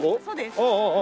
そうです。